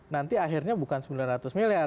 nanti akhirnya bukan sembilan ratus miliar